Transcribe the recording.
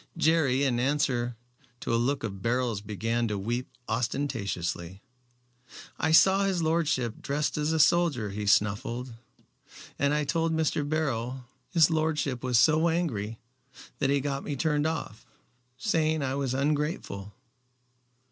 Jerry in answer to a look of Beryl's began to weep ostentatiously. "I saw his lordship dressed as a soldier," he snuffled, "and I told Mr. Beryl. His lordship was so angry that he got me turned off, saying I was ungrateful."